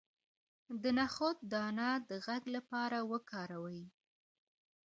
د نخود دانه د غږ لپاره وکاروئ